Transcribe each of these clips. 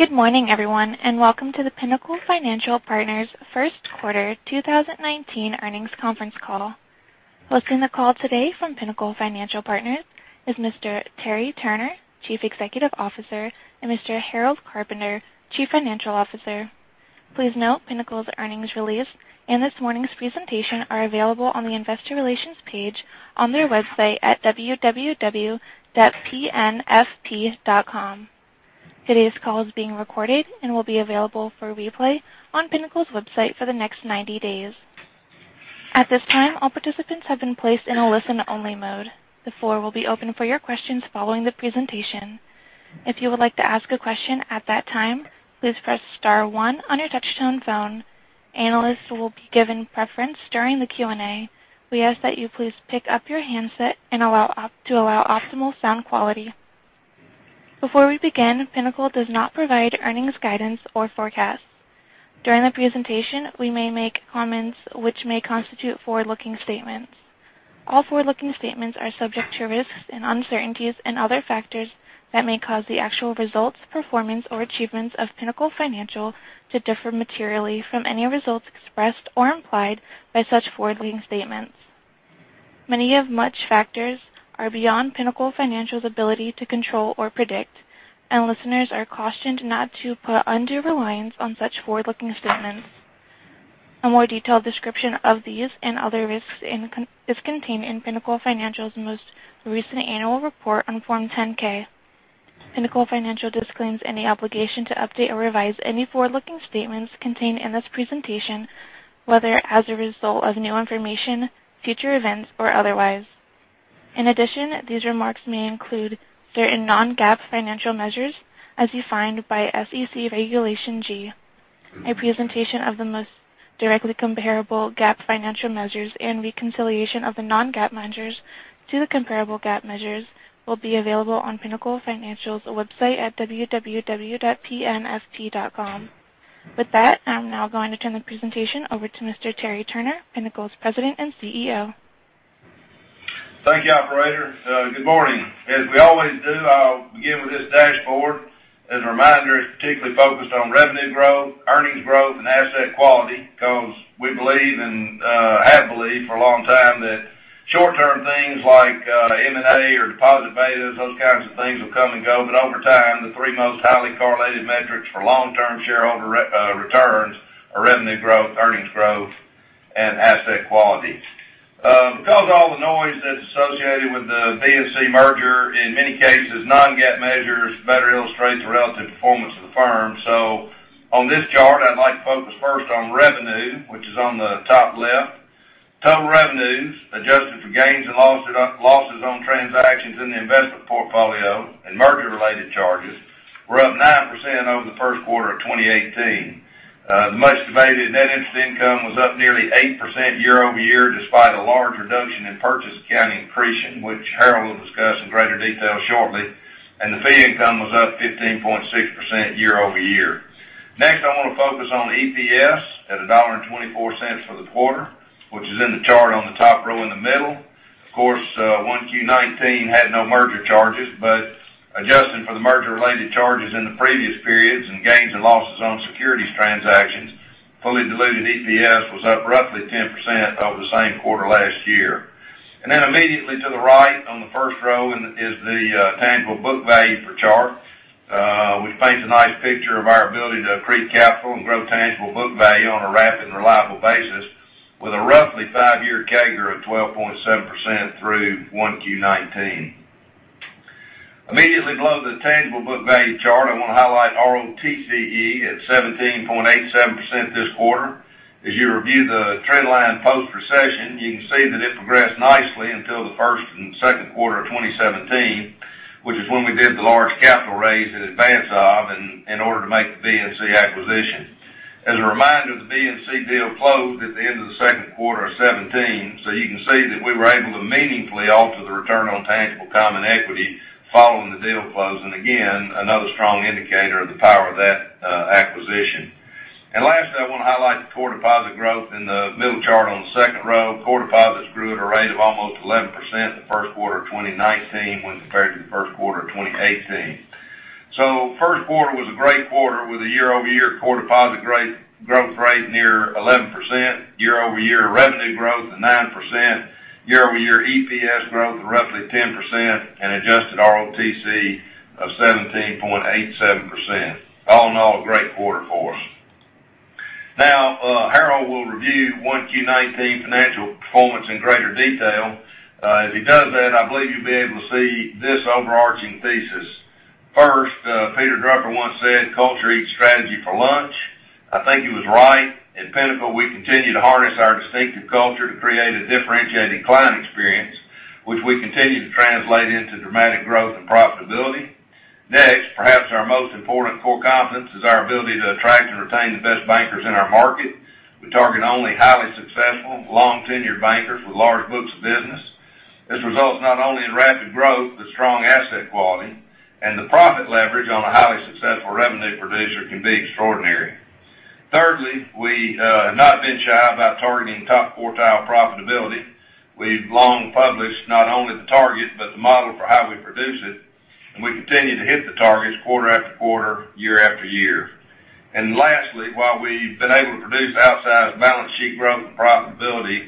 Good morning, everyone, and welcome to the Pinnacle Financial Partners first quarter 2019 earnings conference call. Hosting the call today from Pinnacle Financial Partners is Mr. Terry Turner, Chief Executive Officer, and Mr. Harold Carpenter, Chief Financial Officer. Please note Pinnacle's earnings release and this morning's presentation are available on the investor relations page on their website at www.pnfp.com. Today's call is being recorded and will be available for replay on Pinnacle's website for the next 90 days. At this time, all participants have been placed in a listen-only mode. The floor will be open for your questions following the presentation. If you would like to ask a question at that time, please press star one on your touch-tone phone. Analysts will be given preference during the Q&A. We ask that you please pick up your handset to allow optimal sound quality. Before we begin, Pinnacle does not provide earnings guidance or forecasts. During the presentation, we may make comments which may constitute forward-looking statements. All forward-looking statements are subject to risks and uncertainties and other factors that may cause the actual results, performance, or achievements of Pinnacle Financial to differ materially from any results expressed or implied by such forward-looking statements. Many of such factors are beyond Pinnacle Financial's ability to control or predict, and listeners are cautioned not to put undue reliance on such forward-looking statements. A more detailed description of these and other risks is contained in Pinnacle Financial's most recent annual report on Form 10-K. Pinnacle Financial disclaims any obligation to update or revise any forward-looking statements contained in this presentation, whether as a result of new information, future events, or otherwise. In addition, these remarks may include certain non-GAAP financial measures, as defined by SEC Regulation G. A presentation of the most directly comparable GAAP financial measures and reconciliation of the non-GAAP measures to the comparable GAAP measures will be available on Pinnacle Financial's website at www.pnfp.com. With that, I'm now going to turn the presentation over to Mr. Terry Turner, Pinnacle's President and CEO. Thank you, operator. Good morning. As we always do, I'll begin with this dashboard. As a reminder, it's particularly focused on revenue growth, earnings growth, and asset quality because we believe, and have believed for a long time, that short-term things like M&A or deposit betas, those kinds of things will come and go, but over time, the three most highly correlated metrics for long-term shareholder returns are revenue growth, earnings growth, and asset quality. Because of all the noise that's associated with the BNC merger, in many cases, non-GAAP measures better illustrate the relative performance of the firm. On this chart, I'd like to focus first on revenue, which is on the top left. Total revenues, adjusted for gains and losses on transactions in the investment portfolio and merger-related charges, were up 9% over the first quarter of 2018. The much-debated net interest income was up nearly 8% year-over-year, despite a large reduction in purchase accounting accretion, which Harold will discuss in greater detail shortly. The fee income was up 15.6% year-over-year. I want to focus on EPS at $1.24 for the quarter, which is in the chart on the top row in the middle. Of course, 1Q19 had no merger charges, but adjusting for the merger-related charges in the previous periods and gains and losses on securities transactions, fully diluted EPS was up roughly 10% over the same quarter last year. Immediately to the right on the first row is the tangible book value for chart, which paints a nice picture of our ability to accrete capital and grow tangible book value on a rapid and reliable basis with a roughly five-year CAGR of 12.7% through 1Q19. Immediately below the tangible book value chart, I want to highlight ROTCE at 17.87% this quarter. As you review the trend line post-recession, you can see that it progressed nicely until the first and second quarter of 2017, which is when we did the large capital raise in advance of in order to make the BNC acquisition. As a reminder, the BNC deal closed at the end of the second quarter of 2017, you can see that we were able to meaningfully alter the return on tangible common equity following the deal close. Again, another strong indicator of the power of that acquisition. Lastly, I want to highlight the core deposit growth in the middle chart on the second row. Core deposits grew at a rate of almost 11% in the first quarter of 2019 when compared to the first quarter of 2018. The first quarter was a great quarter with a year-over-year core deposit growth rate near 11%, year-over-year revenue growth at 9%, year-over-year EPS growth of roughly 10%, and adjusted ROTCE of 17.87%. All in all, a great quarter for us. Harold will review 1Q19 financial performance in greater detail. As he does that, I believe you'll be able to see this overarching thesis. First, Peter Drucker once said, "Culture eats strategy for lunch." I think he was right. At Pinnacle, we continue to harness our distinctive culture to create a differentiated client experience, which we continue to translate into dramatic growth and profitability. Perhaps our most important core competence is our ability to attract and retain the best bankers in our market. We target only highly successful, long-tenured bankers with large books of business. This results not only in rapid growth, but strong asset quality. The profit leverage on a highly successful revenue producer can be extraordinary. Thirdly, we have not been shy about targeting top quartile profitability. We've long published not only the target, but the model for how we produce it and we continue to hit the targets quarter after quarter, year after year. Lastly, while we've been able to produce outsized balance sheet growth and profitability,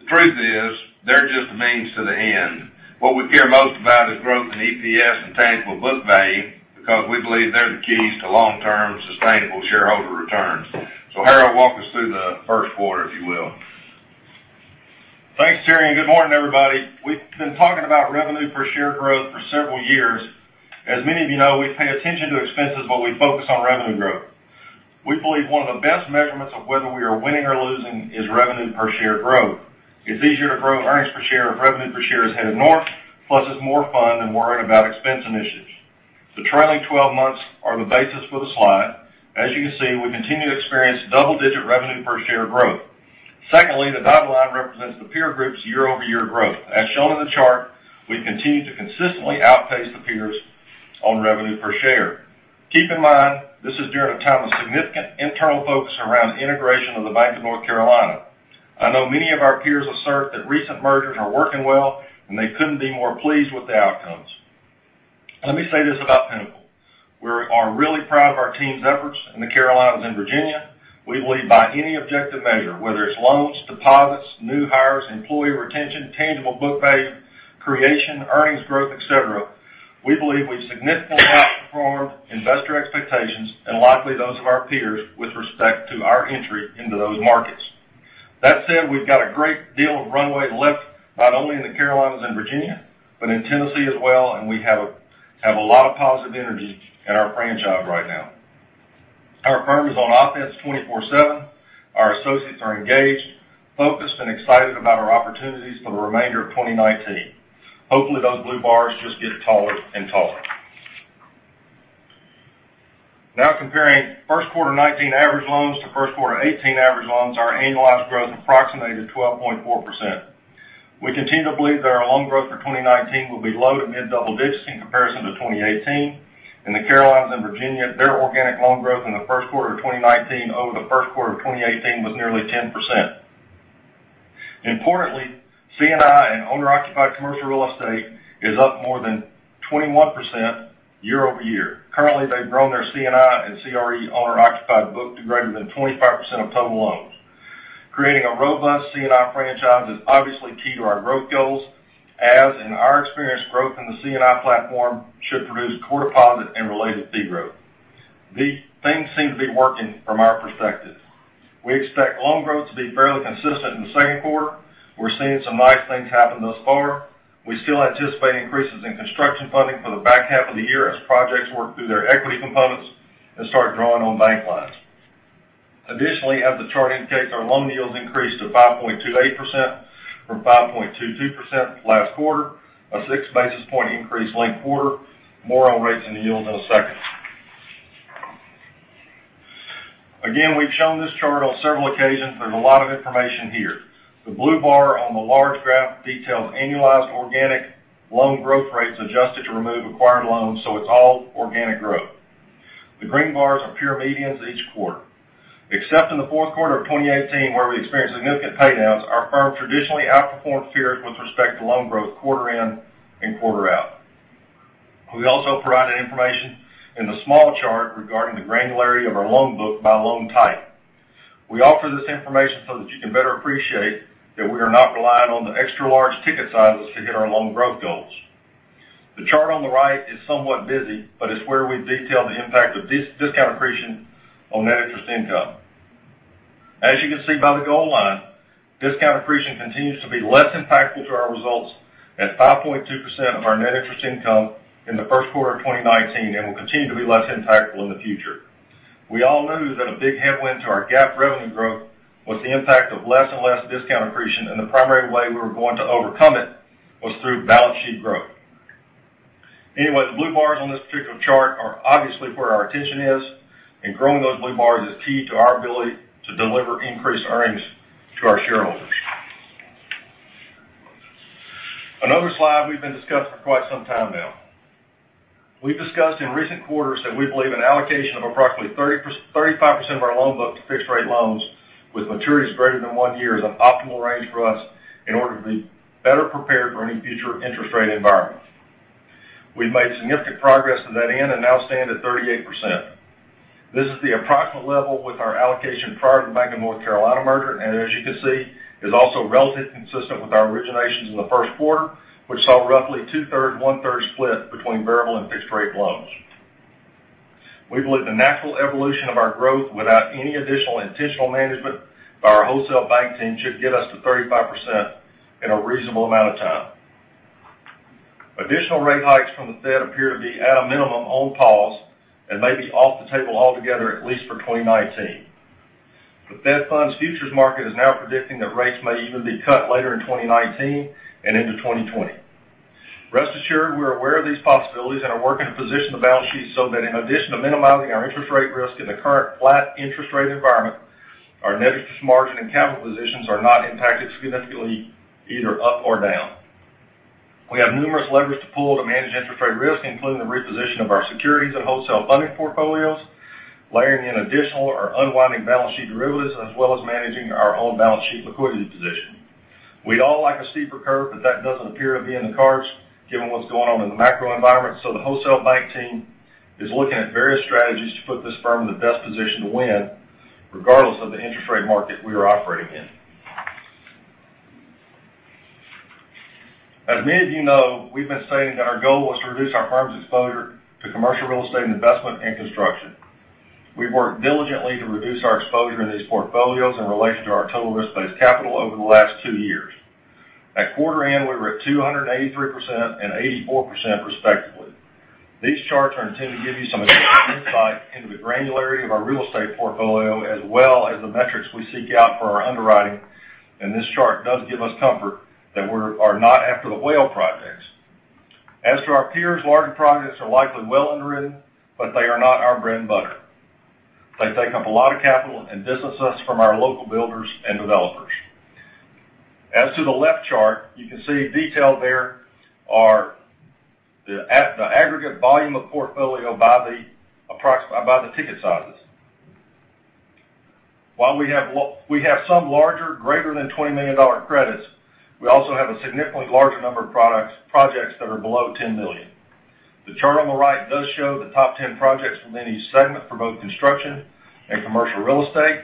the truth is they're just a means to the end. What we care most about is growth in EPS and tangible book value because we believe they're the keys to long-term sustainable shareholder returns. Harold, walk us through the first quarter, if you will. Thanks, Terry, and good morning, everybody. We've been talking about revenue per share growth for several years. As many of you know, we pay attention to expenses while we focus on revenue growth. We believe one of the best measurements of whether we are winning or losing is revenue per share growth. It's easier to grow earnings per share if revenue per share is headed north, plus it's more fun than worrying about expense initiatives. The trailing 12 months are the basis for the slide. As you can see, we continue to experience double-digit revenue per share growth. Secondly, the bottom line represents the peer group's year-over-year growth. As shown in the chart, we continue to consistently outpace the peers on revenue per share. Keep in mind, this is during a time of significant internal focus around integration of the Bank of North Carolina. I know many of our peers assert that recent mergers are working well and they couldn't be more pleased with the outcomes. Let me say this about Pinnacle. We are really proud of our team's efforts in the Carolinas and Virginia. We believe by any objective measure, whether it's loans, deposits, new hires, employee retention, tangible book value creation, earnings growth, et cetera, we believe we've significantly outperformed investor expectations and likely those of our peers with respect to our entry into those markets. That said, we've got a great deal of runway left, not only in the Carolinas and Virginia, but in Tennessee as well, and we have a lot of positive energy in our franchise right now. Our firm is on offense 24/7. Our associates are engaged, focused, and excited about our opportunities for the remainder of 2019. Hopefully, those blue bars just get taller and taller. Comparing first quarter 2019 average loans to first quarter 2018 average loans, our annualized growth approximated 12.4%. We continue to believe that our loan growth for 2019 will be low to mid double digits in comparison to 2018. In the Carolinas and Virginia, their organic loan growth in the first quarter of 2019 over the first quarter of 2018 was nearly 10%. Importantly, C&I and owner-occupied commercial real estate is up more than 21% year-over-year. Currently, they've grown their C&I and CRE owner-occupied book to greater than 25% of total loans. Creating a robust C&I franchise is obviously key to our growth goals, as in our experience, growth in the C&I platform should produce core deposit and related fee growth. These things seem to be working from our perspective. We expect loan growth to be fairly consistent in the second quarter. We're seeing some nice things happen thus far. We still anticipate increases in construction funding for the back half of the year as projects work through their equity components and start drawing on bank lines. Additionally, as the chart indicates, our loan yields increased to 5.28% from 5.22% last quarter, a six basis point increase linked quarter, more on rates and yields in a second. We've shown this chart on several occasions. There's a lot of information here. The blue bar on the large graph details annualized organic loan growth rates adjusted to remove acquired loans, so it's all organic growth. The green bars are pure medians each quarter. Except in the fourth quarter of 2018 where we experienced significant paydowns, our firm traditionally outperformed peers with respect to loan growth quarter in and quarter out. We also provided information in the small chart regarding the granularity of our loan book by loan type. We offer this information so that you can better appreciate that we are not reliant on the extra large ticket sizes to hit our loan growth goals. The chart on the right is somewhat busy, but it's where we detail the impact of discount accretion on net interest income. As you can see by the gold line, discount accretion continues to be less impactful to our results at 5.2% of our net interest income in the first quarter of 2019 and will continue to be less impactful in the future. We all knew that a big headwind to our GAAP revenue growth was the impact of less and less discount accretion. The primary way we were going to overcome it was through balance sheet growth. The blue bars on this particular chart are obviously where our attention is. Growing those blue bars is key to our ability to deliver increased earnings to our shareholders. Another slide we've been discussing for quite some time now. We've discussed in recent quarters that we believe an allocation of approximately 35% of our loan book to fixed rate loans with maturities greater than one year is an optimal range for us in order to be better prepared for any future interest rate environment. We've made significant progress to that end and now stand at 38%. This is the approximate level with our allocation prior to the Bank of North Carolina merger. As you can see, is also relatively consistent with our originations in the first quarter, which saw roughly 2/3, 1/3 split between variable and fixed rate loans. We believe the natural evolution of our growth without any additional intentional management by our wholesale bank team should get us to 35% in a reasonable amount of time. Additional rate hikes from the Fed appear to be at a minimum on pause and may be off the table altogether at least for 2019. The Fed Funds futures market is now predicting that rates may even be cut later in 2019 and into 2020. Rest assured, we're aware of these possibilities and are working to position the balance sheet so that in addition to minimizing our interest rate risk in the current flat interest rate environment, our net interest margin and capital positions are not impacted significantly either up or down. We have numerous levers to pull to manage interest rate risk, including the reposition of our securities and wholesale funding portfolios, layering in additional or unwinding balance sheet derivatives, as well as managing our own balance sheet liquidity position. That doesn't appear to be in the cards given what's going on in the macro environment. The wholesale bank team is looking at various strategies to put this firm in the best position to win, regardless of the interest rate market we are operating in. As many of you know, we've been stating that our goal was to reduce our firm's exposure to commercial real estate investment and construction. We've worked diligently to reduce our exposure in these portfolios in relation to our total risk-based capital over the last two years. At quarter end, we were at 283% and 84% respectively. These charts are intended to give you some additional insight into the granularity of our real estate portfolio, as well as the metrics we seek out for our underwriting. This chart does give us comfort that we are not after the whale projects. As for our peers, larger projects are likely well underwritten, but they are not our bread and butter. They take up a lot of capital and distance us from our local builders and developers. As to the left chart, you can see detailed there are the aggregate volume of portfolio by the ticket sizes. While we have some larger, greater than $20 million credits, we also have a significantly larger number of projects that are below $10 million. The chart on the right does show the top 10 projects from any segment for both construction and commercial real estate.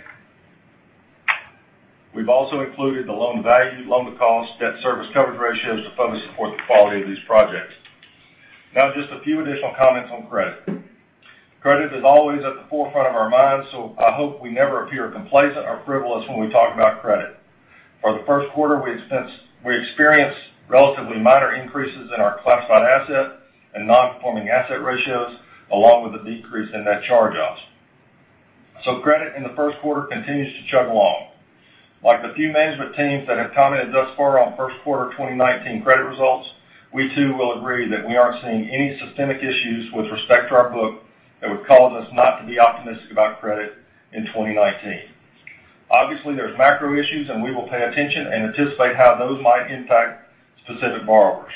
We've also included the loan-to-value, loan-to-cost, debt service coverage ratios to fully support the quality of these projects. Now, just a few additional comments on credit. Credit is always at the forefront of our minds, so I hope we never appear complacent or frivolous when we talk about credit. For the first quarter, we experienced relatively minor increases in our classified asset and non-performing asset ratios, along with a decrease in net charge-offs. Credit in the first quarter continues to chug along. Like the few management teams that have commented thus far on first quarter 2019 credit results, we too will agree that we aren't seeing any systemic issues with respect to our book that would cause us not to be optimistic about credit in 2019. Obviously, there's macro issues. We will pay attention and anticipate how those might impact specific borrowers.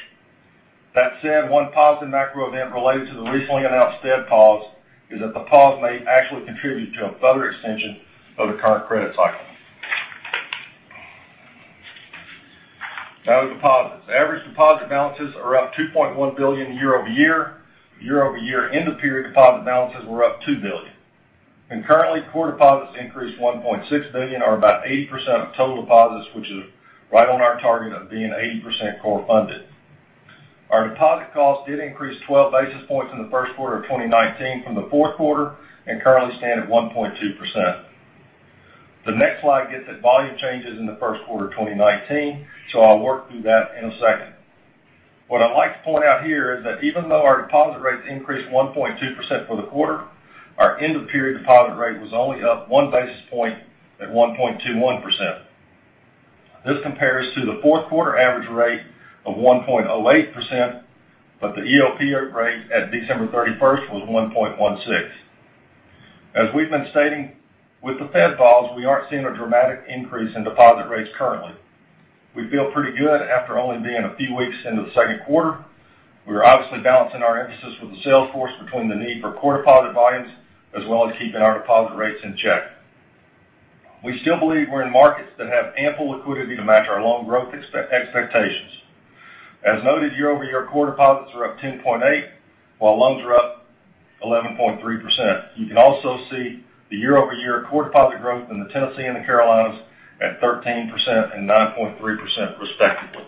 That said, one positive macro event related to the recently announced Fed pause is that the pause may actually contribute to a further extension of the current credit cycle. Now to deposits. Average deposit balances are up $2.1 billion year-over-year. Year-over-year end-of-period deposit balances were up $2 billion. Currently, core deposits increased $1.6 billion or about 80% of total deposits, which is right on our target of being 80% core funded. Our deposit cost did increase 12 basis points in the first quarter of 2019 from the fourth quarter and currently stand at 1.2%. The next slide gets at volume changes in the first quarter of 2019. I'll work through that in a second. What I'd like to point out here is that even though our deposit rates increased 1.2% for the quarter, our end-of-period deposit rate was only up 1 basis point at 1.21%. This compares to the fourth quarter average rate of 1.08%, but the EOP rate at December 31st was 1.16%. As we've been stating, with the Fed pause, we aren't seeing a dramatic increase in deposit rates currently. We feel pretty good after only being a few weeks into the second quarter. We are obviously balancing our emphasis with the sales force between the need for core deposit volumes as well as keeping our deposit rates in check. We still believe we're in markets that have ample liquidity to match our loan growth expectations. As noted, year-over-year, core deposits are up 10.8, while loans are up 11.3%. You can also see the year-over-year core deposit growth in the Tennessee and the Carolinas at 13% and 9.3% respectively.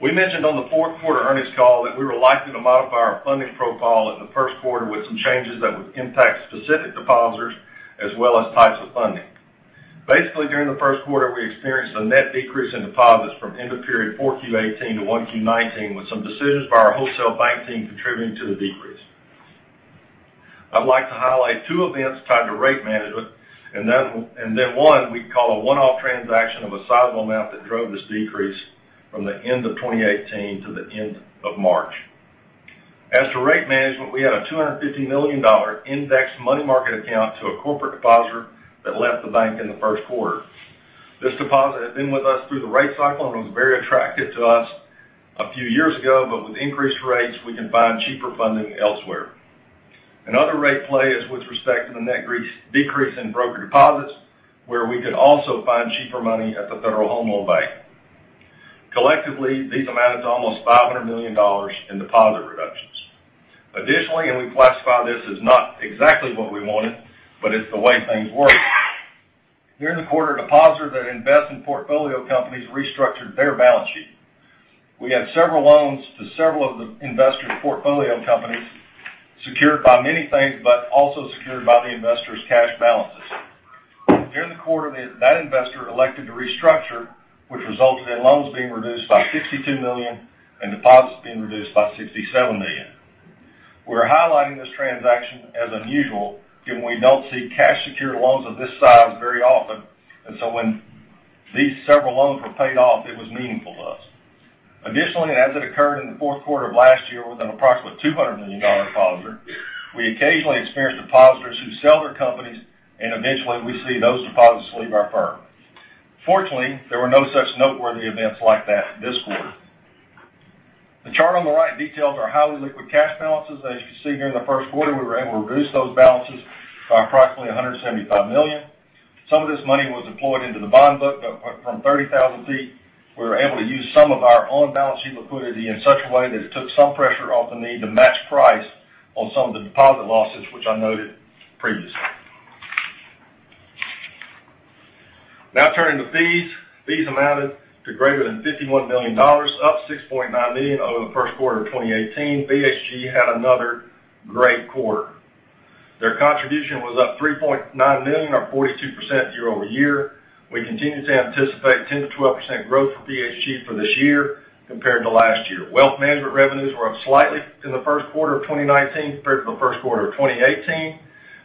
We mentioned on the fourth quarter earnings call that we were likely to modify our funding profile in the first quarter with some changes that would impact specific depositors as well as types of funding. During the first quarter, we experienced a net decrease in deposits from end of period 4Q 2018 to 1Q 2019, with some decisions by our wholesale bank team contributing to the decrease. I'd like to highlight two events tied to rate management, one we call a one-off transaction of a sizable amount that drove this decrease from the end of 2018 to the end of March. As to rate management, we had a $250 million indexed money market account to a corporate depositor that left the bank in the first quarter. This deposit had been with us through the rate cycle and was very attractive to us a few years ago, but with increased rates, we can find cheaper funding elsewhere. Another rate play is with respect to the net decrease in broker deposits, where we could also find cheaper money at the Federal Home Loan Bank. Collectively, these amounted to almost $500 million in deposit reductions. Additionally, we classify this as not exactly what we wanted, but it's the way things work. During the quarter, a depositor that invests in portfolio companies restructured their balance sheet. We have several loans to several of the investor's portfolio companies secured by many things, but also secured by the investor's cash balances. During the quarter, that investor elected to restructure, which resulted in loans being reduced by $62 million and deposits being reduced by $67 million. We're highlighting this transaction as unusual, given we don't see cash secured loans of this size very often. When these several loans were paid off, it was meaningful to us. Additionally, as it occurred in the fourth quarter of last year with an approximately $200 million depositor, we occasionally experience depositors who sell their companies, and eventually we see those deposits leave our firm. Fortunately, there were no such noteworthy events like that this quarter. The chart on the right details our highly liquid cash balances. As you see here in the first quarter, we were able to reduce those balances by approximately $175 million. Some of this money was deployed into the bond book. From 30,000 feet, we were able to use some of our on-balance sheet liquidity in such a way that it took some pressure off the need to match price on some of the deposit losses, which I noted previously. Now turning to fees. Fees amounted to greater than $51 million, up $6.9 million over the first quarter of 2018. BHG had another great quarter. Their contribution was up $3.9 million, or 42% year-over-year. We continue to anticipate 10%-12% growth for BHG for this year compared to last year. Wealth management revenues were up slightly in the first quarter of 2019 compared to the first quarter of 2018.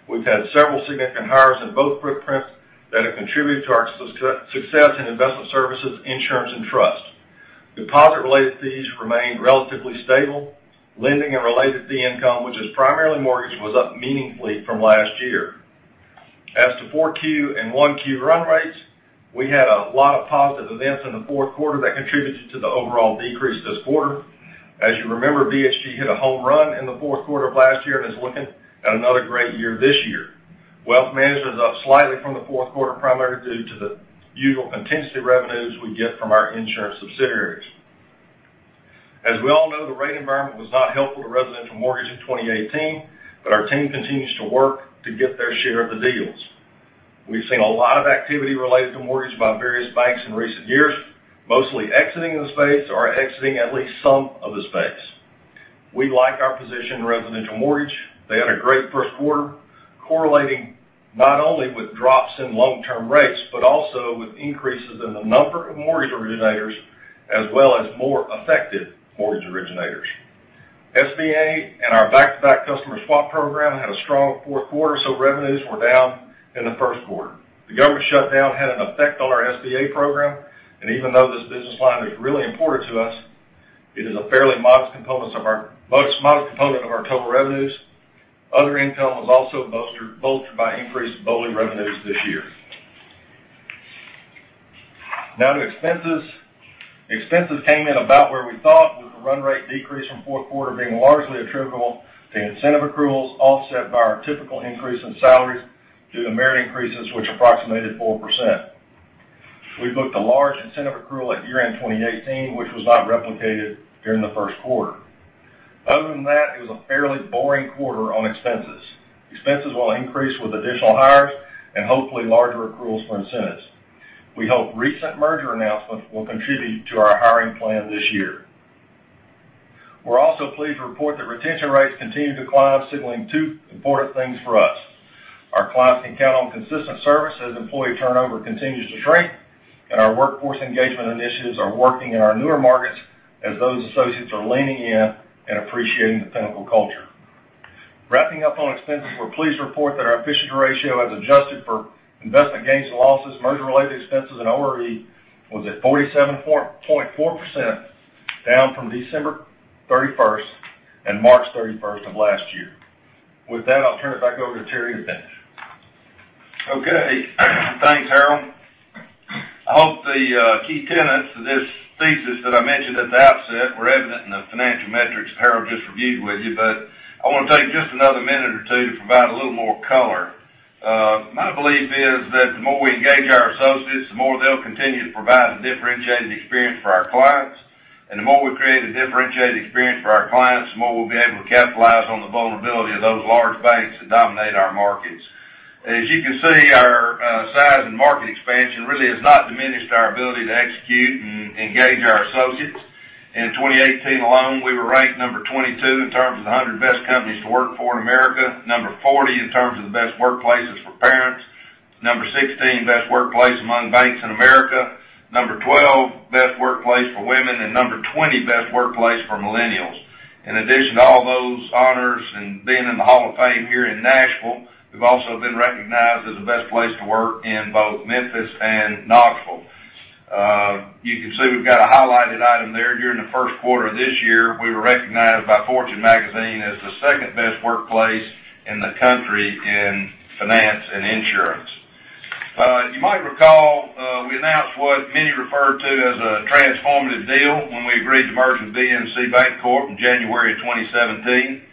We've had several significant hires in both footprints that have contributed to our success in investment services, insurance, and trust. Deposit-related fees remained relatively stable. Lending and related fee income, which is primarily mortgage, was up meaningfully from last year. As to 4Q and 1Q run rates, we had a lot of positive events in the fourth quarter that contributed to the overall decrease this quarter. As you remember, BHG hit a home run in the fourth quarter of last year and is looking at another great year this year. Wealth management is up slightly from the fourth quarter, primarily due to the usual contingency revenues we get from our insurance subsidiaries. As we all know, the rate environment was not helpful to residential mortgage in 2018. Our team continues to work to get their share of the deals. We've seen a lot of activity related to mortgage by various banks in recent years, mostly exiting the space or exiting at least some of the space. We like our position in residential mortgage. They had a great first quarter correlating not only with drops in long-term rates, but also with increases in the number of mortgage originators, as well as more effective mortgage originators. SBA and our back-to-back customer swap program had a strong fourth quarter. Revenues were down in the first quarter. The government shutdown had an effect on our SBA program. Even though this business line is really important to us, it is a fairly modest component of our total revenues. Other income was also bolstered by increased BOLI revenues this year. Now to expenses. Expenses came in about where we thought with the run rate decrease from fourth quarter being largely attributable to incentive accruals offset by our typical increase in salaries due to merit increases, which approximated 4%. We booked a large incentive accrual at year-end 2018, which was not replicated during the first quarter. Other than that, it was a fairly boring quarter on expenses. Expenses will increase with additional hires and hopefully larger accruals for incentives. We hope recent merger announcements will contribute to our hiring plan this year. We're also pleased to report that retention rates continue to climb, signaling two important things for us. Our clients can count on consistent service as employee turnover continues to shrink, and our workforce engagement initiatives are working in our newer markets as those associates are leaning in and appreciating the Pinnacle culture. Wrapping up on expenses, we're pleased to report that our efficiency ratio, as adjusted for investment gains and losses, merger-related expenses, and ORE, was at 47.4%, down from December 31st and March 31st of last year. With that, I'll turn it back over to Terry to finish. Okay. Thanks, Harold. I hope the key tenets to this thesis that I mentioned at the outset were evident in the financial metrics Harold just reviewed with you, but I want to take just another minute or two to provide a little more color. My belief is that the more we engage our associates, the more they'll continue to provide a differentiated experience for our clients. The more we create a differentiated experience for our clients, the more we'll be able to capitalize on the vulnerability of those large banks that dominate our markets. As you can see, our size and market expansion really has not diminished our ability to execute and engage our associates. In 2018 alone, we were ranked number 22 in terms of the 100 best companies to work for in America, number 40 in terms of the best workplaces for parents, number 16 best workplace among banks in America, number 12 best workplace for women, and number 20 best workplace for millennials. In addition to all those honors and being in the Hall of Fame here in Nashville, we've also been recognized as the best place to work in both Memphis and Knoxville. You can see we've got a highlighted item there. During the first quarter of this year, we were recognized by Fortune Magazine as the second best workplace in the country in finance and insurance. You might recall, we announced what many referred to as a transformative deal when we agreed to merge with BNC Bancorp in January of 2017.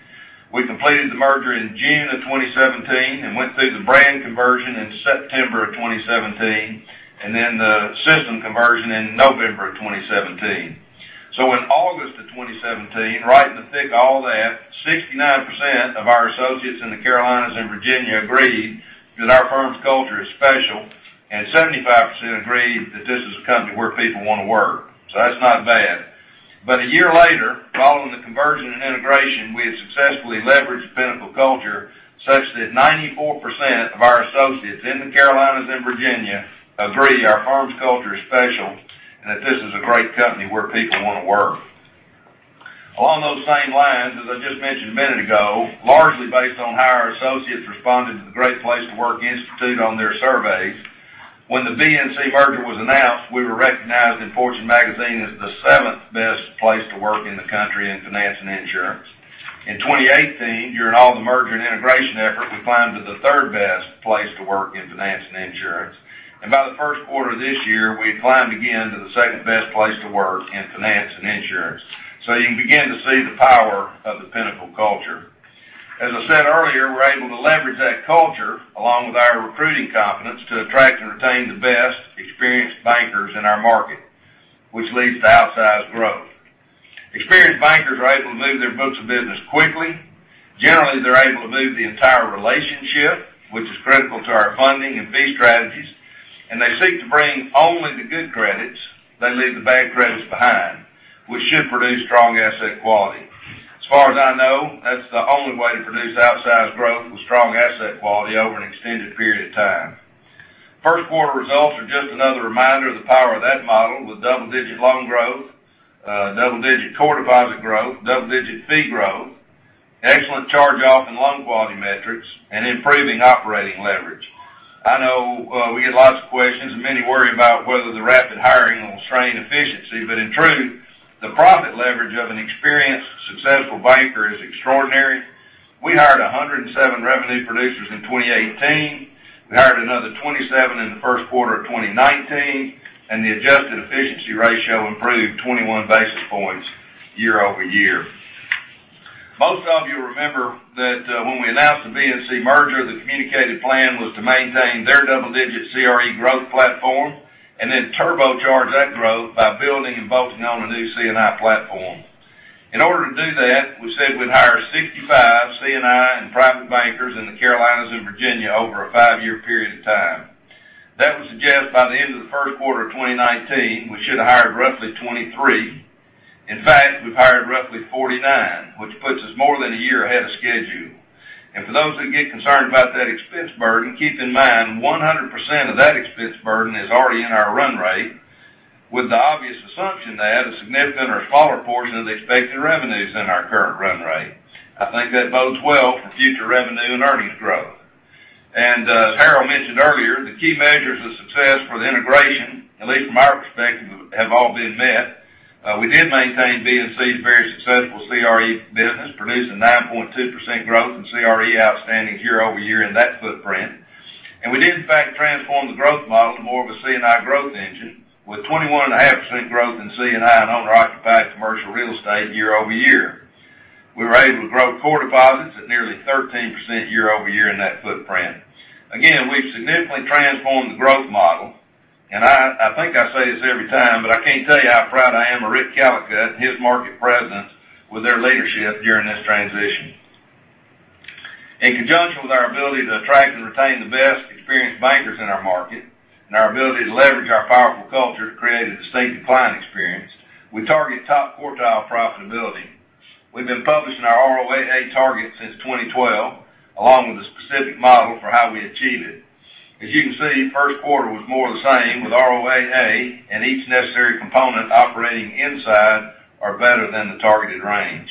We completed the merger in June of 2017. Went through the brand conversion in September of 2017, the system conversion in November of 2017. In August of 2017, right in the thick of all that, 69% of our associates in the Carolinas and Virginia agreed that our firm's culture is special, and 75% agreed that this is a company where people want to work. That's not bad. A year later, following the conversion and integration, we have successfully leveraged the Pinnacle culture such that 94% of our associates in the Carolinas and Virginia agree our firm's culture is special and that this is a great company where people want to work. Along those same lines, as I just mentioned a minute ago, largely based on how our associates responded to the Great Place to Work Institute on their surveys. When the BNC merger was announced, we were recognized in Fortune Magazine as the seventh best place to work in the country in finance and insurance. In 2018, during all the merger and integration effort, we climbed to the third best place to work in finance and insurance. By the first quarter of this year, we had climbed again to the second-best place to work in finance and insurance. You can begin to see the power of the Pinnacle culture. As I said earlier, we're able to leverage that culture, along with our recruiting competence, to attract and retain the best experienced bankers in our market, which leads to outsized growth. Experienced bankers are able to move their books of business quickly. Generally, they're able to move the entire relationship, which is critical to our funding and fee strategies, and they seek to bring only the good credits. They leave the bad credits behind, which should produce strong asset quality. As far as I know, that's the only way to produce outsized growth with strong asset quality over an extended period of time. First quarter results are just another reminder of the power of that model, with double-digit loan growth, double-digit core deposit growth, double-digit fee growth, excellent charge-off and loan quality metrics, and improving operating leverage. I know we get lots of questions and many worry about whether the rapid hiring will strain efficiency. In truth, the profit leverage of an experienced, successful banker is extraordinary. We hired 107 revenue producers in 2018. We hired another 27 in the first quarter of 2019, the adjusted efficiency ratio improved 21 basis points year-over-year. Most of you remember that when we announced the BNC merger, the communicated plan was to maintain their double-digit CRE growth platform and then turbocharge that growth by building and focusing on a new C&I platform. In order to do that, we said we'd hire 65 C&I and private bankers in the Carolinas and Virginia over a five-year period of time. That would suggest by the end of the first quarter of 2019, we should have hired roughly 23. In fact, we've hired roughly 49, which puts us more than a year ahead of schedule. For those who get concerned about that expense burden, keep in mind, 100% of that expense burden is already in our run rate with the obvious assumption that a significant or smaller portion of the expected revenue is in our current run rate. I think that bodes well for future revenue and earnings growth. As Harold mentioned earlier, the key measures of success for the integration, at least from our perspective, have all been met. We did maintain BNC's very successful CRE business, producing 9.2% growth in CRE outstanding year-over-year in that footprint. We did in fact transform the growth model to more of a C&I growth engine, with 21.5% growth in C&I and owner-occupied commercial real estate year-over-year. We were able to grow core deposits at nearly 13% year-over-year in that footprint. Again, we've significantly transformed the growth model. I think I say this every time, but I can't tell you how proud I am of Rick Callicutt and his market presence with their leadership during this transition. In conjunction with our ability to attract and retain the best experienced bankers in our market and our ability to leverage our powerful culture to create a distinct and client experience, we target top quartile profitability. We've been publishing our ROAA target since 2012, along with a specific model for how we achieve it. As you can see, first quarter was more the same with ROAA and each necessary component operating inside or better than the targeted range.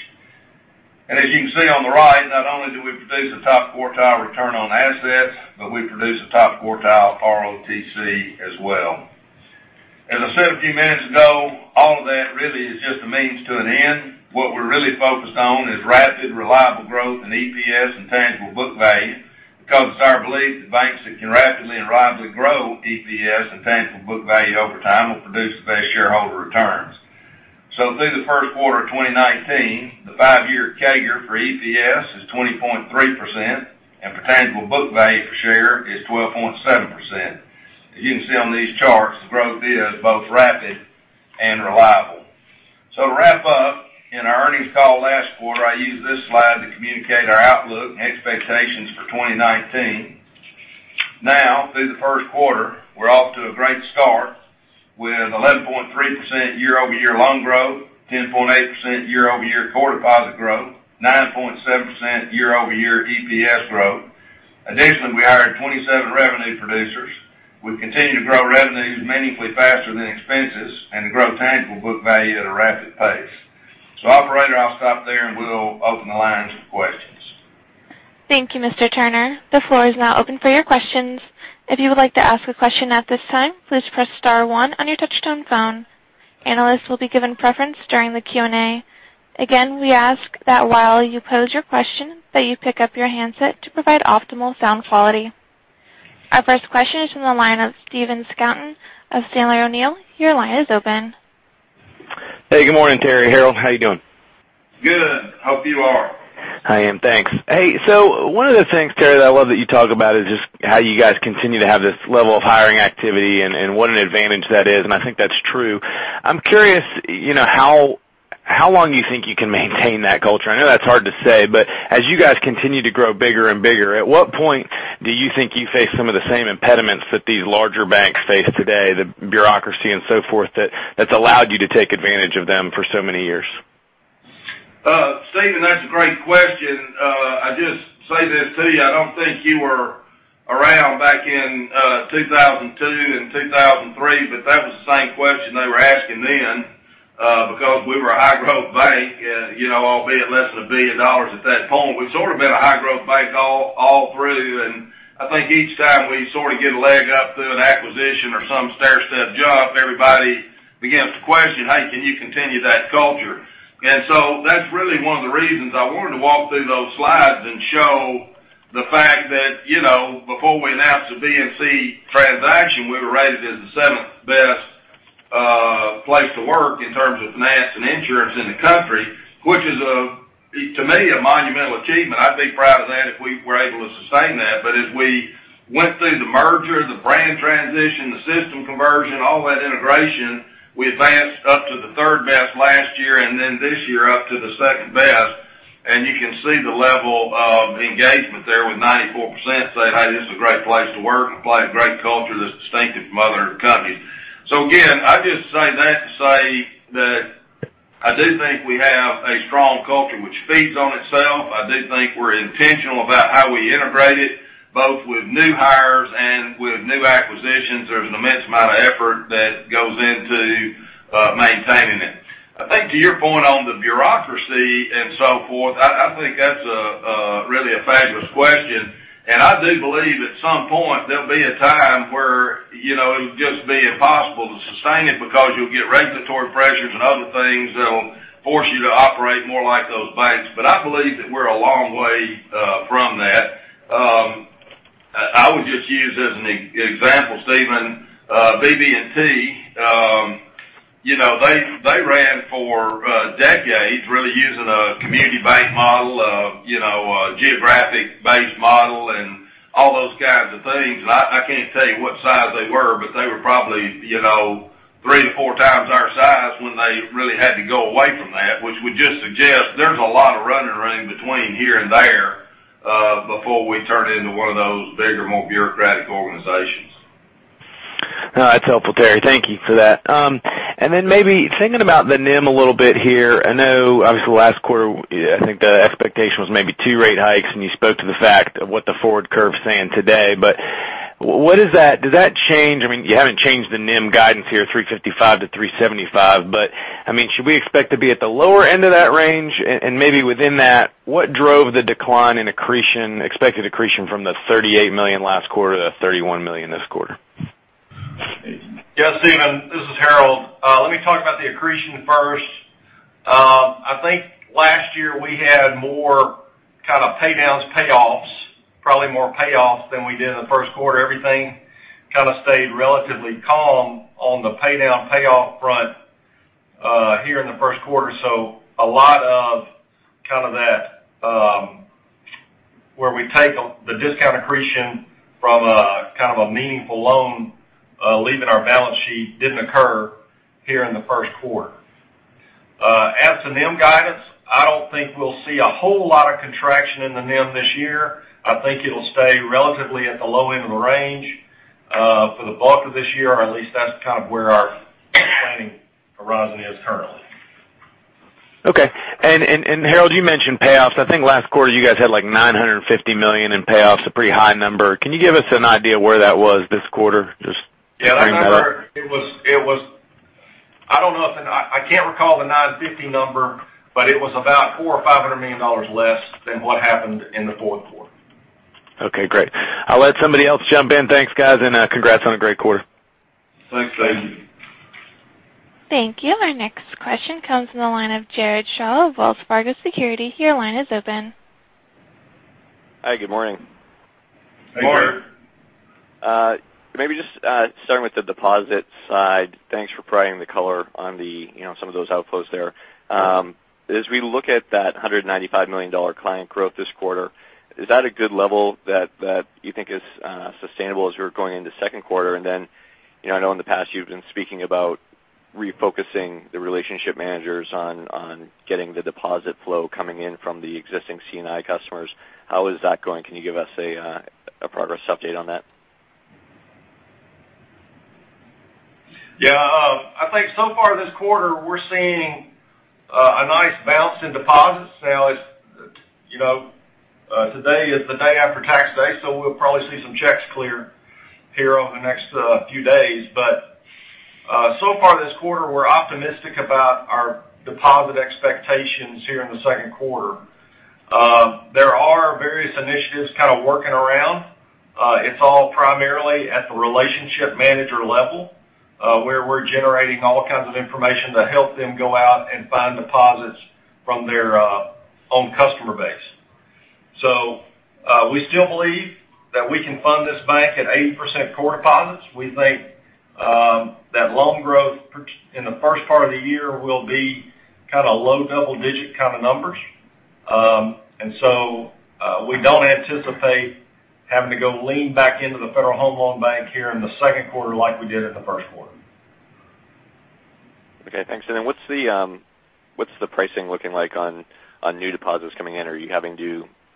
As you can see on the right, not only do we produce a top quartile return on assets, but we produce a top quartile ROTCE as well. As I said a few minutes ago, all of that really is just a means to an end. What we're really focused on is rapid, reliable growth in EPS and tangible book value because it's our belief that banks that can rapidly and reliably grow EPS and tangible book value over time will produce the best shareholder returns. Through the first quarter of 2019, the five-year CAGR for EPS is 20.3%, and for tangible book value per share is 12.7%. As you can see on these charts, the growth is both rapid and reliable. To wrap up, in our earnings call last quarter, I used this slide to communicate our outlook and expectations for 2019. Now through the first quarter, we're off to a great start with 11.3% year-over-year loan growth, 10.8% year-over-year core deposit growth, 9.7% year-over-year EPS growth. Additionally, we hired 27 revenue producers. We've continued to grow revenues meaningfully faster than expenses and to grow tangible book value at a rapid pace. Operator, I'll stop there and we'll open the lines for questions. Thank you, Mr. Turner. The floor is now open for your questions. If you would like to ask a question at this time, please press star one on your touchtone phone. Analysts will be given preference during the Q&A. Again, we ask that while you pose your question, that you pick up your handset to provide optimal sound quality. Our first question is from the line of Stephen Scouten of Sandler O'Neill. Your line is open. Hey, good morning, Terry, Harold. How you doing? Good. Hope you are. I am, thanks. Hey, one of the things, Terry, that I love that you talk about is just how you guys continue to have this level of hiring activity and what an advantage that is, and I think that's true. I'm curious, how long you think you can maintain that culture? I know that's hard to say, but as you guys continue to grow bigger and bigger, at what point do you think you face some of the same impediments that these larger banks face today, the bureaucracy and so forth, that's allowed you to take advantage of them for so many years? Stephen that's a great question. I just say this to you, I don't think you are back in 2002 and 2003, but that was the same question they were asking then because we were a high-growth bank, albeit less than $1 billion at that point. We've sort of been a high-growth bank all through, and I think each time we sort of get a leg up through an acquisition or some stair-step jump, everybody begins to question, "Hey, can you continue that culture?" That's really one of the reasons I wanted to walk through those slides and show the fact that, before we announced the BNC transaction, we were rated as the seventh best place to work in terms of finance and insurance in the country, which is, to me, a monumental achievement. I'd be proud of that if we were able to sustain that. As we went through the merger, the brand transition, the system conversion, all that integration, we advanced up to the third best last year, then this year up to the second best, and you can see the level of engagement there with 94% saying, "Hey, this is a great place to work, and we play a great culture that's distinctive from other companies." Again, I just say that to say that I do think we have a strong culture which feeds on itself. I do think we're intentional about how we integrate it, both with new hires and with new acquisitions. There's an immense amount of effort that goes into maintaining it. I think to your point on the bureaucracy and so forth, I think that's really a fabulous question. I do believe at some point there'll be a time where it'll just be impossible to sustain it because you'll get regulatory pressures and other things that'll force you to operate more like those banks. I believe that we're a long way from that. I would just use as an example, Stephen, BB&T. They ran for decades, really using a community bank model, a geographic based model, and all those kinds of things. I can't tell you what size they were, but they were probably three to four times our size when they really had to go away from that, which would just suggest there's a lot of running room between here and there, before we turn into one of those bigger, more bureaucratic organizations. No, that's helpful, Terry. Thank you for that. Maybe thinking about the NIM a little bit here, I know, obviously, last quarter, I think the expectation was maybe two rate hikes. You spoke to the fact of what the forward curve's saying today, but does that change? You haven't changed the NIM guidance here, 355 to 375, but should we expect to be at the lower end of that range? Maybe within that, what drove the decline in expected accretion from the $38 million last quarter to the $31 million this quarter? Yeah, Stephen, this is Harold. Let me talk about the accretion first. I think last year we had more kind of pay downs, payoffs, probably more payoffs than we did in the first quarter. Everything kind of stayed relatively calm on the pay down, payoff front here in the first quarter. A lot of that, where we take the discount accretion from a meaningful loan leaving our balance sheet didn't occur here in the first quarter. As to NIM guidance, I don't think we'll see a whole lot of contraction in the NIM this year. I think it'll stay relatively at the low end of the range for the bulk of this year, or at least that's kind of where our planning horizon is currently. Okay. Harold, you mentioned payoffs. I think last quarter you guys had like $950 million in payoffs, a pretty high number. Can you give us an idea where that was this quarter, just to bring that up? Yeah, I can't recall the 950 number, but it was about $400 or $500 million less than what happened in the fourth quarter. Okay, great. I'll let somebody else jump in. Thanks, guys, and congrats on a great quarter. Thanks, Stephen. Thank you. Our next question comes from the line of Jared Shaw of Wells Fargo Securities. Your line is open. Hi, good morning. Morning. Just starting with the deposit side, thanks for providing the color on some of those outposts there. As we look at that $195 million client growth this quarter, is that a good level that you think is sustainable as you're going into second quarter? Then, I know in the past you've been speaking about refocusing the relationship managers on getting the deposit flow coming in from the existing C&I customers. How is that going? Can you give us a progress update on that? I think so far this quarter, we're seeing a nice bounce in deposits. Today is the day after tax day, so we'll probably see some checks clear here over the next few days. So far this quarter, we're optimistic about our deposit expectations here in the second quarter. There are various initiatives kind of working around. It's all primarily at the relationship manager level, where we're generating all kinds of information to help them go out and find deposits from their own customer base. We still believe that we can fund this bank at 80% core deposits. We think that loan growth in the first part of the year will be kind of low double digit kind of numbers. We don't anticipate having to go lean back into the Federal Home Loan Bank here in the second quarter like we did in the first quarter. Okay, thanks. What's the pricing looking like on new deposits coming in?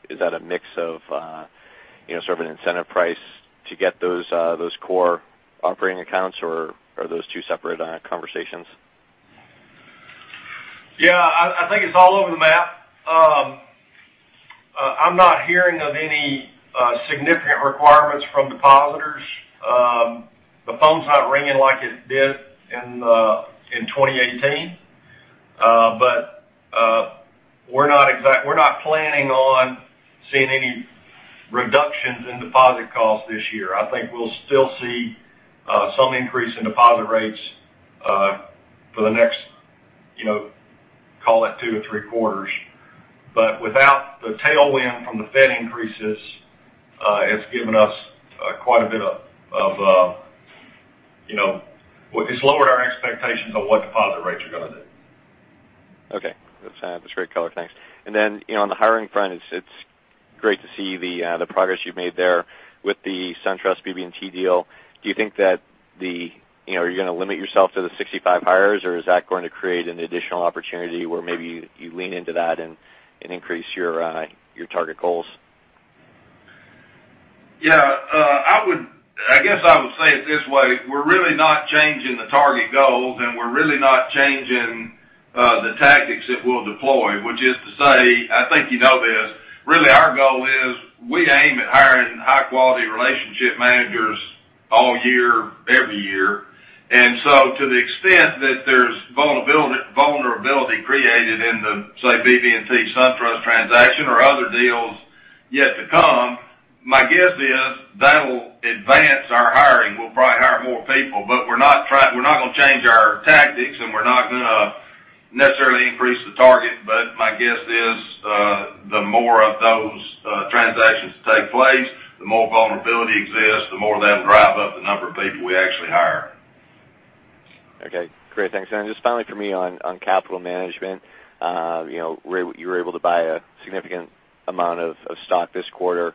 Is that a mix of sort of an incentive price to get those core operating accounts, or are those two separate conversations? Yeah, I think it's all over the map. I'm not hearing of any significant requirements from depositors. The phone's not ringing like it did in 2018. We're not planning on seeing any reductions in deposit costs this year. I think we'll still see some increase in deposit rates for the next call it two or three quarters. Without the tailwind from the Fed increases, it's lowered our expectations on what deposit rates are going to do. Okay. That's great color. Thanks. Then, on the hiring front, it's great to see the progress you've made there with the SunTrust BB&T deal. Do you think that you're going to limit yourself to the 65 hires, or is that going to create an additional opportunity where maybe you lean into that and increase your target goals? Yeah. I guess I would say it this way: we're really not changing the target goals, we're really not changing the tactics that we'll deploy, which is to say, I think you know this, really, our goal is we aim at hiring high-quality relationship managers all year, every year. To the extent that there's vulnerability created in the, say, BB&T SunTrust transaction or other deals yet to come, my guess is that'll advance our hiring. We'll probably hire more people. We're not going to change our tactics, we're not going to necessarily increase the target. My guess is the more of those transactions take place, the more vulnerability exists, the more that'll drive up the number of people we actually hire. Okay, great. Thanks. Just finally for me on capital management. You were able to buy a significant amount of stock this quarter.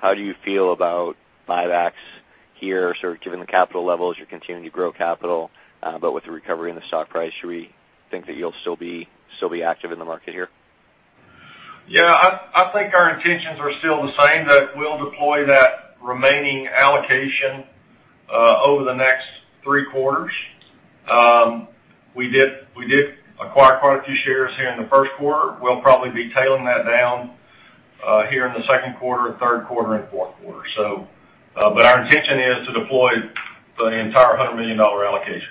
How do you feel about buybacks here, sort of given the capital levels, you're continuing to grow capital, with the recovery in the stock price, should we think that you'll still be active in the market here? Yeah. I think our intentions are still the same, that we'll deploy that remaining allocation over the next three quarters. We did acquire quite a few shares here in the first quarter. We'll probably be tailing that down here in the second quarter, third quarter, and fourth quarter. Our intention is to deploy the entire $100 million allocation.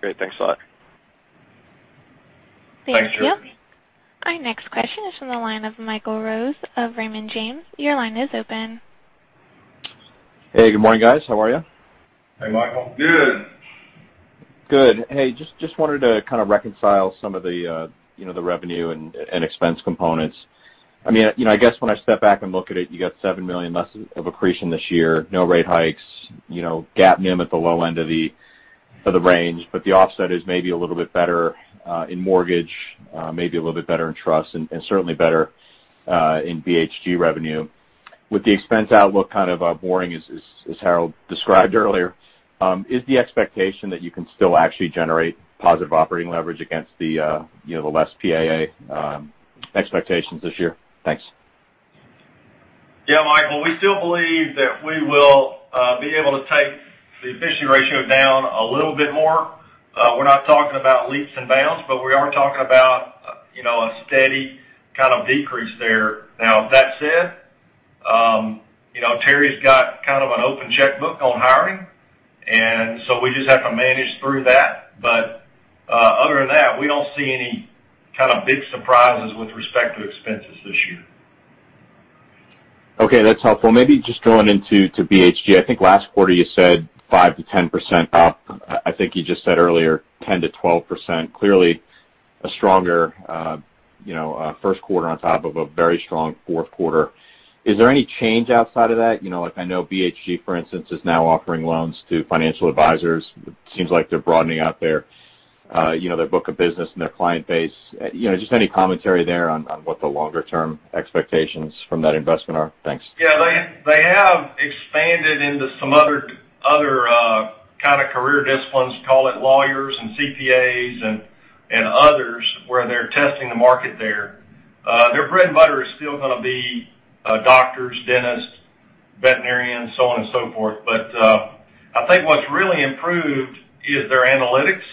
Great. Thanks a lot. Thanks, Drew. Thank you. Our next question is from the line of Michael Rose of Raymond James. Your line is open. Hey, good morning, guys. How are you? Hey, Michael. Good. Good. Hey, just wanted to kind of reconcile some of the revenue and expense components. I guess when I step back and look at it, you got $7 million less of accretion this year, no rate hikes, GAAP NIM at the low end of the range. The offset is maybe a little bit better in mortgage, maybe a little bit better in trust, and certainly better in BHG revenue. With the expense outlook kind of boring as Harold described earlier, is the expectation that you can still actually generate positive operating leverage against the less PAA expectations this year? Thanks. Yeah, Michael, we still believe that we will be able to take the efficiency ratio down a little bit more. We're not talking about leaps and bounds, we are talking about a steady kind of decrease there. That said, Terry's got kind of an open checkbook on hiring, we just have to manage through that. Other than that, we don't see any kind of big surprises with respect to expenses this year. Okay, that's helpful. Maybe just going into BHG, I think last quarter you said 5%-10% up. I think you just said earlier, 10%-12%. Clearly, a stronger first quarter on top of a very strong fourth quarter. Is there any change outside of that? I know BHG, for instance, is now offering loans to Financial Advisors. It seems like they're broadening out their book of business and their client base. Just any commentary there on what the longer-term expectations from that investment are. Thanks. Yeah. They have expanded into some other kind of career disciplines, call it lawyers and CPAs, and others where they're testing the market there. Their bread and butter is still going to be doctors, dentists, veterinarians, so on and so forth. I think what's really improved is their analytics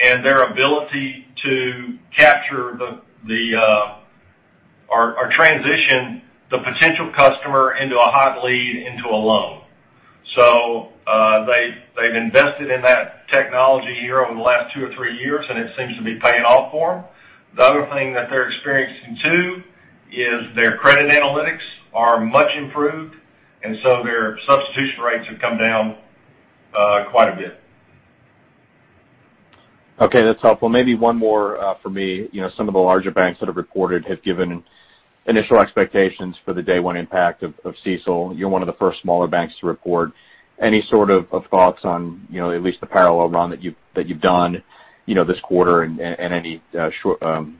and their ability to capture or transition the potential customer into a hot lead into a loan. They've invested in that technology here over the last two or three years, and it seems to be paying off for them. The other thing that they're experiencing, too, is their credit analytics are much improved, their substitution rates have come down quite a bit. Okay, that's helpful. Maybe one more for me. Some of the larger banks that have reported have given initial expectations for the day one impact of CECL. You're one of the first smaller banks to report. Any sort of thoughts on at least the parallel run that you've done this quarter and any sort of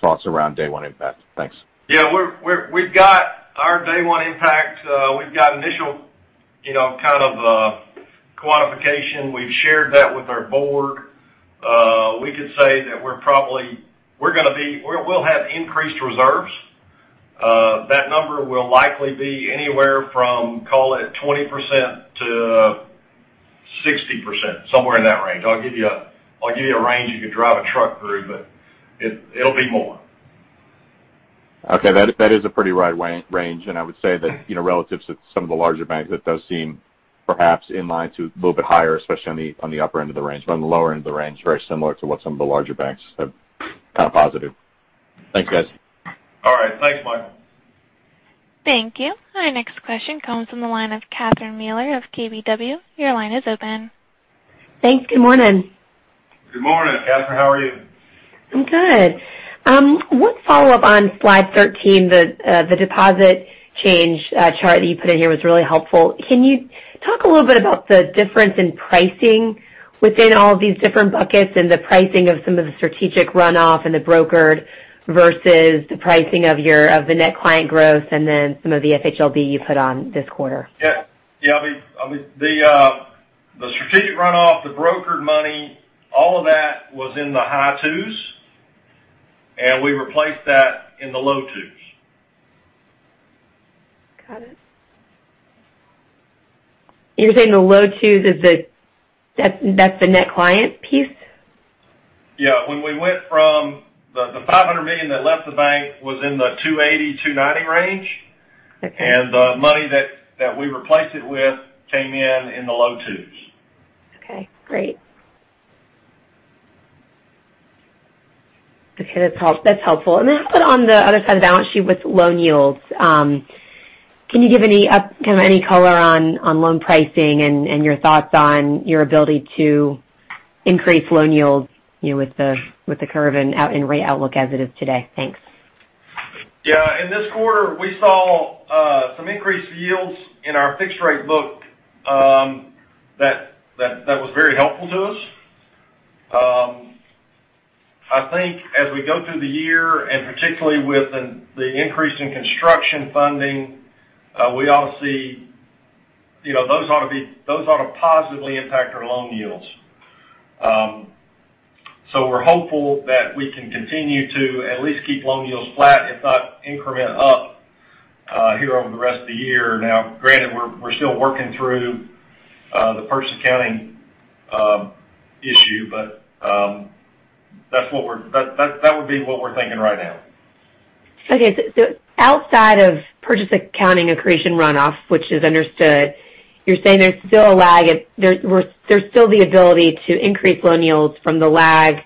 thoughts around day one impact? Thanks. Yeah. We've got our day one impact. We've got initial kind of quantification. We've shared that with our board. I could say that we'll have increased reserves. That number will likely be anywhere from, call it, 20%-60%, somewhere in that range. I'll give you a range you could drive a truck through, it'll be more. Okay. That is a pretty wide range, I would say that relative to some of the larger banks, that does seem perhaps in line to a little bit higher, especially on the upper end of the range. On the lower end of the range, very similar to what some of the larger banks have. Kind of positive. Thanks, guys. All right. Thanks, Michael. Thank you. Our next question comes from the line of Catherine Mealor of KBW. Your line is open. Thanks. Good morning. Good morning, Catherine. How are you? I'm good. One follow-up on slide 13, the deposit change chart that you put in here was really helpful. Can you talk a little bit about the difference in pricing within all of these different buckets and the pricing of some of the strategic runoff and the brokered versus the pricing of the net client growth, and then some of the FHLB you put on this quarter? Yeah. The strategic runoff, the brokered money, all of that was in the high twos. We replaced that in the low twos. Got it. You're saying the low twos, that's the net client piece? Yeah. When we went, the $500 million that left the bank was in the 280, 290 range. Okay. The money that we replaced it with came in in the low twos. Okay, great. Okay, that's helpful. Then on the other side of the balance sheet with loan yields, can you give any color on loan pricing and your thoughts on your ability to increase loan yields with the curve and rate outlook as it is today? Thanks. Yeah. In this quarter, we saw some increased yields in our fixed rate book that was very helpful to us. I think as we go through the year, particularly with the increase in construction funding, those ought to positively impact our loan yields. We're hopeful that we can continue to at least keep loan yields flat, if not increment up, here over the rest of the year. Granted, we're still working through the purchase accounting issue, that would be what we're thinking right now. Okay. Outside of purchase accounting accretion runoff, which is understood, you're saying there's still the ability to increase loan yields from the lag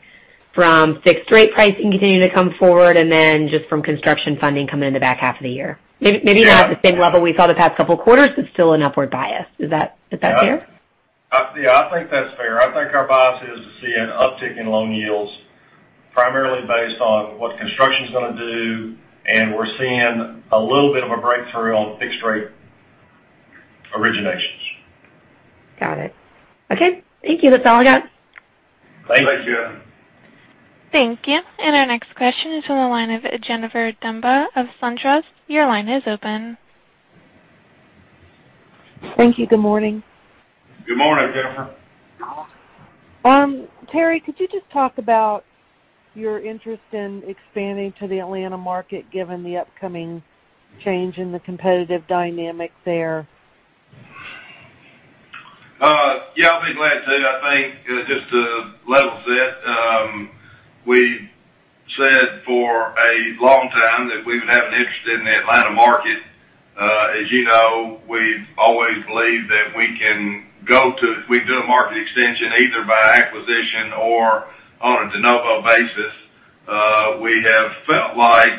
from fixed rate pricing continuing to come forward, and then just from construction funding coming in the back half of the year. Maybe not at the same level we saw the past couple of quarters, but still an upward bias. Is that fair? Yeah, I think that's fair. I think our bias is to see an uptick in loan yields, primarily based on what construction's going to do, and we're seeing a little bit of a breakthrough on fixed rate originations. Got it. Okay. Thank you. That's all I got. Thanks, Catherine. Thank you. Our next question is on the line of Jennifer Demba of SunTrust. Your line is open. Thank you. Good morning. Good morning, Jennifer. Terry, could you just talk about your interest in expanding to the Atlanta market, given the upcoming change in the competitive dynamic there? Yeah, I'll be glad to. I think just to level set, we said for a long time that we would have an interest in the Atlanta market. As you know, we've always believed that we can do a market extension, either by acquisition or on a de novo basis. We have felt like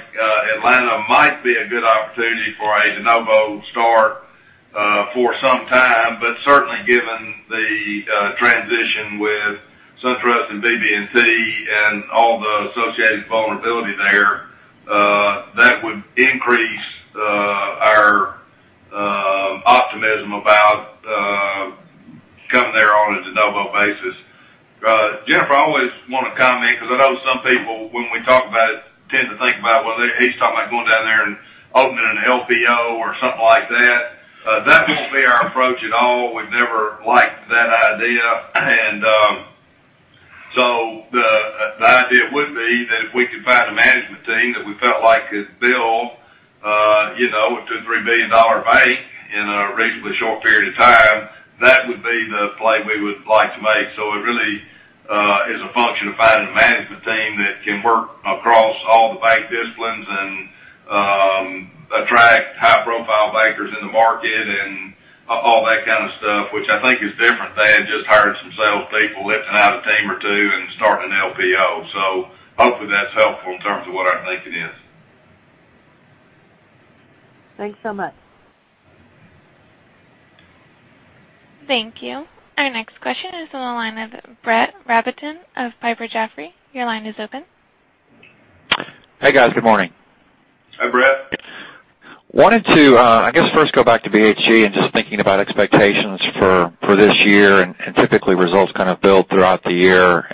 Atlanta might be a good opportunity for a de novo start for some time, but certainly, given the transition with SunTrust and BB&T and all the associated vulnerability there, that would increase our optimism about going there on a de novo basis. Jennifer, I always want to comment because I know some people, when we talk about it, tend to think about, well, he's talking about going down there and opening an LPO or something like that. That won't be our approach at all. We've never liked that idea. The idea would be that if we could find a management team that we felt like could build a $two or $three billion bank in a reasonably short period of time, that would be the play we would like to make. It really is a function of finding a management team that can work across all the bank disciplines and attract high-profile bankers in the market and all that kind of stuff, which I think is different than just hiring some sales people, lifting out a team or two, and starting an LPO. Hopefully, that's helpful in terms of what our thinking is. Thanks so much. Thank you. Our next question is on the line of Brett Rabatin of Piper Jaffray. Your line is open. Hey, guys. Good morning. Hi, Brett. Wanted to, I guess, first go back to BHG and just thinking about expectations for this year and typically results kind of build throughout the year.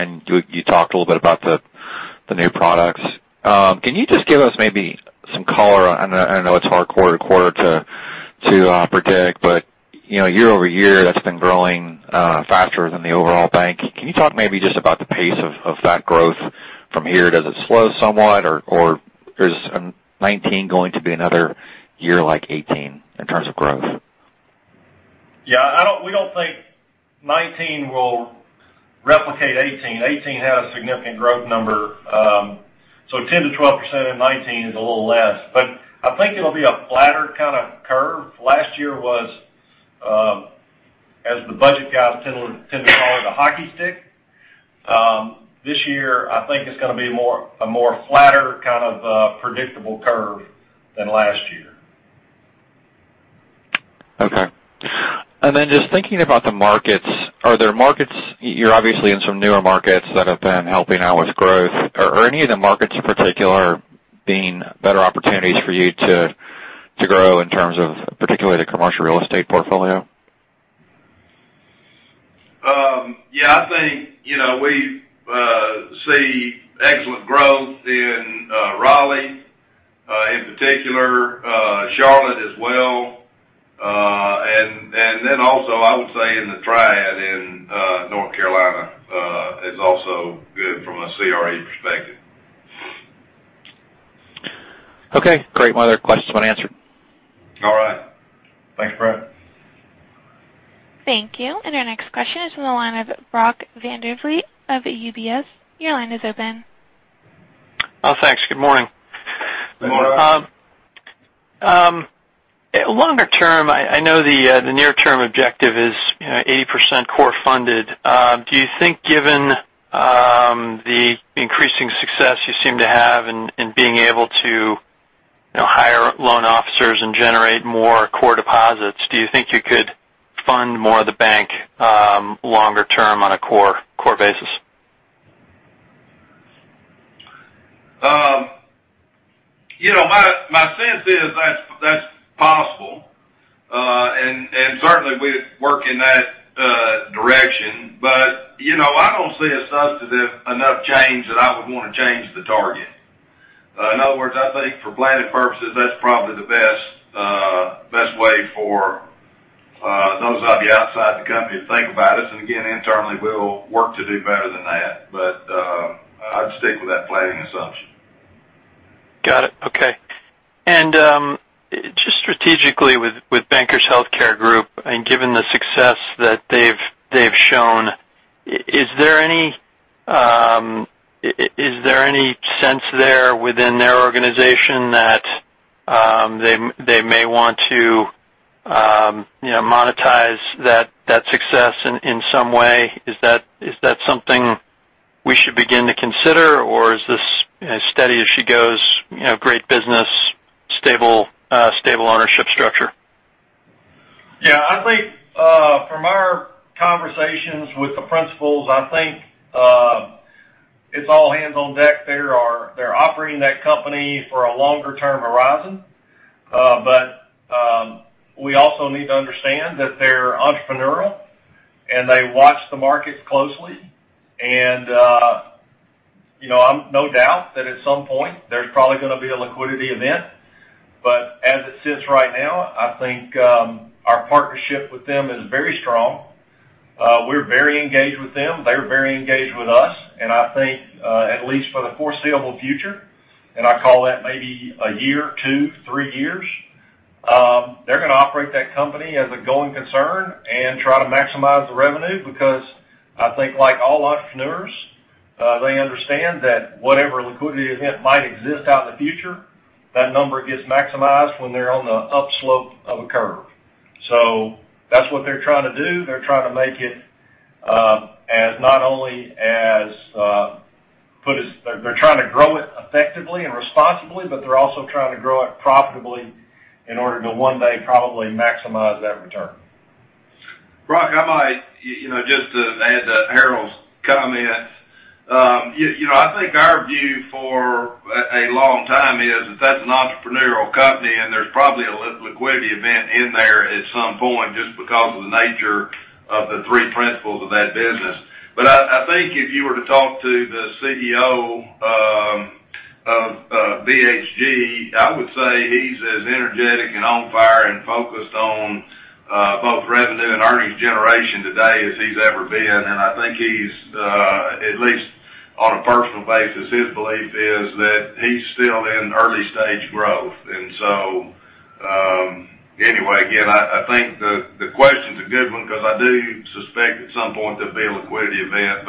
You talked a little bit about the new products. Can you just give us maybe some color on, I know it's hard quarter-to-quarter to predict, but year-over-year, that's been growing faster than the overall bank. Can you talk maybe just about the pace of that growth from here? Does it slow somewhat, or is 2019 going to be another year like 2018 in terms of growth? Yeah. We don't think 2019 will replicate 2018. 2018 had a significant growth number. 10%-12% in 2019 is a little less. I think it'll be a flatter kind of curve. Last year was, as the budget guys tend to call it, a hockey stick. This year, I think it's going to be a more flatter kind of predictable curve than last year. Okay. Just thinking about the markets, you're obviously in some newer markets that have been helping out with growth. Are any of the markets in particular being better opportunities for you to grow in terms of particularly the commercial real estate portfolio? Yeah, I think, we see excellent growth in Raleigh, in particular Charlotte as well. Also, I would say in the Triad in North Carolina, is also good from a CRE perspective. Okay, great. My other questions have been answered. All right. Thanks, Brett. Thank you. Our next question is from the line of Brody Vanderveen of UBS. Your line is open. Oh, thanks. Good morning. Good morning, Brody. Longer term, I know the near term objective is 80% core funded. Do you think given the increasing success you seem to have in being able to hire loan officers and generate more core deposits, do you think you could fund more of the bank longer term on a core basis? My sense is that's possible. Certainly, we work in that direction. I don't see a substantive enough change that I would want to change the target. In other words, I think for planning purposes, that's probably the best way for those of you outside the company to think about us. Again, internally, we'll work to do better than that. I'd stick with that planning assumption. Got it. Okay. Just strategically with Bankers Healthcare Group, given the success that they've shown, is there any sense there within their organization that they may want to monetize that success in some way? Is that something we should begin to consider, or is this as steady as she goes, great business, stable ownership structure? Yeah. From our conversations with the principals, I think it's all hands on deck. They're operating that company for a longer term horizon. We also need to understand that they're entrepreneurial, and they watch the markets closely. I've no doubt that at some point, there's probably going to be a liquidity event. As it sits right now, I think our partnership with them is very strong. We're very engaged with them. They're very engaged with us. I think, at least for the foreseeable future, and I call that maybe a year, two, three years, they're going to operate that company as a going concern and try to maximize the revenue, because I think like all entrepreneurs, they understand that whatever liquidity event might exist out in the future, that number gets maximized when they're on the up slope of a curve. That's what they're trying to do. They're trying to grow it effectively and responsibly, they're also trying to grow it profitably in order to one day probably maximize that return. Brody, I might, just to add to Harold's comments. I think our view for a long time is that that's an entrepreneurial company, and there's probably a liquidity event in there at some point just because of the nature of the three principles of that business. I think if you were to talk to the CEO of BHG, I would say he's as energetic and on fire and focused on both revenue and earnings generation today as he's ever been. I think he's, at least on a personal basis, his belief is that he's still in early stage growth. Anyway, again, I think the question's a good one because I do suspect at some point there'll be a liquidity event.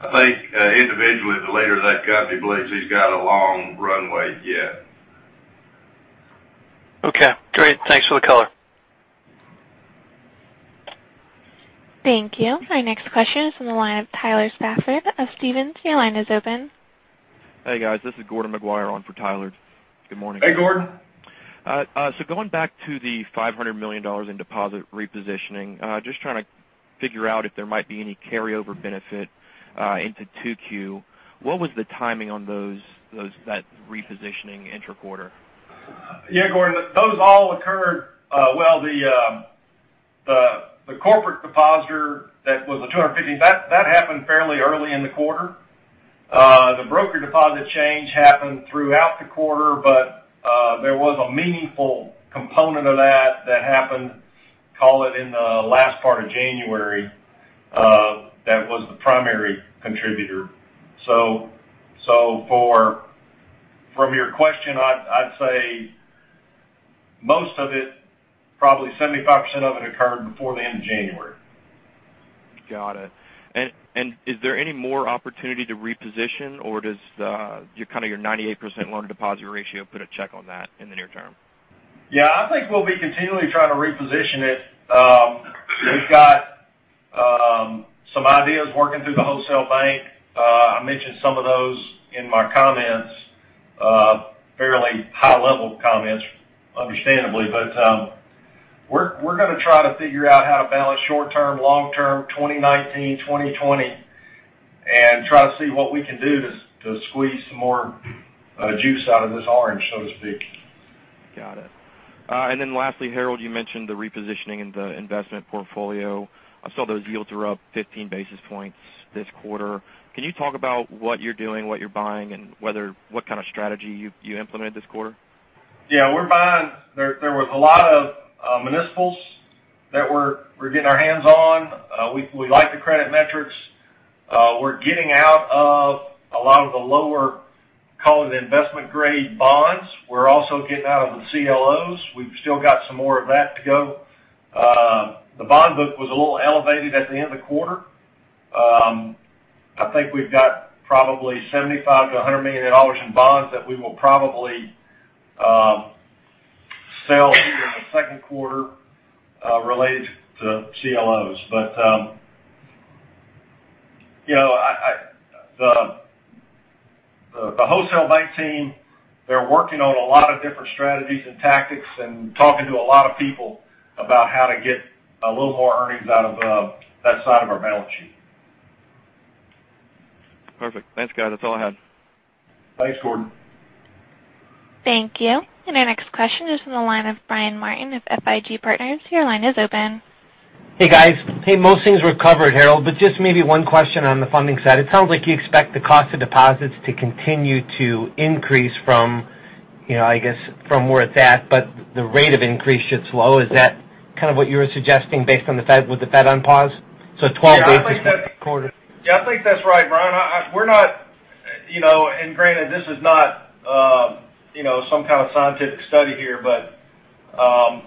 I think, individually, the leader of that company believes he's got a long runway yet. Okay, great. Thanks for the color. Thank you. Our next question is from the line of Tyler Stafford of Stephens. Your line is open. Hey, guys. This is Gordon McGuire on for Tyler. Good morning. Hey, Gordon. Going back to the $500 million in deposit repositioning, just trying to figure out if there might be any carryover benefit into 2Q. What was the timing on that repositioning inter quarter? Yeah, Gordon, those all occurred well, the corporate depositor, that was the $250, that happened fairly early in the quarter. The broker deposit change happened throughout the quarter, but there was a meaningful component of that that happened, call it in the last part of January, that was the primary contributor. From your question, I'd say most of it, probably 75% of it, occurred before the end of January. Got it. Is there any more opportunity to reposition, or does your 98% loan deposit ratio put a check on that in the near term? Yeah, I think we'll be continually trying to reposition it. We've got some ideas working through the wholesale bank. I mentioned some of those in my comments, fairly high level comments, understandably. We're going to try to figure out how to balance short-term, long-term, 2019, 2020, and try to see what we can do to squeeze some more juice out of this orange, so to speak. Got it. Lastly, Harold, you mentioned the repositioning in the investment portfolio. I saw those yields are up 15 basis points this quarter. Can you talk about what you're doing, what you're buying, and what kind of strategy you implemented this quarter? Yeah, we're buying there was a lot of municipals that we're getting our hands on. We like the credit metrics. We're getting out of a lot of the lower, call it the investment grade bonds. We're also getting out of the CLOs. We've still got some more of that to go. The bond book was a little elevated at the end of the quarter. I think we've got probably $75 million-$100 million in bonds that we will probably sell here in the second quarter, related to CLOs. The wholesale bank team, they're working on a lot of different strategies and tactics and talking to a lot of people about how to get a little more earnings out of that side of our balance sheet. Perfect. Thanks, guys. That's all I had. Thanks, Gordon. Thank you. Our next question is from the line of Brian Martin of FIG Partners. Your line is open. Hey, guys. Hey, most things were covered, Harold, but just maybe one question on the funding side. It sounds like you expect the cost of deposits to continue to increase from where it's at, but the rate of increase should slow. Is that kind of what you were suggesting based on with the Fed on pause? 12 basis points a quarter. Yeah, I think that's right, Brian. Granted, this is not some kind of scientific study here, but our